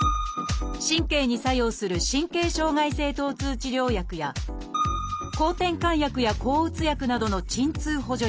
神経に作用する神経障害性疼痛治療薬や抗てんかん薬や抗うつ薬などの鎮痛補助薬。